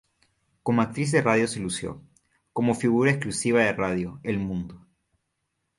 Como actriz de radio se lució como figura exclusiva de Radio El Mundo.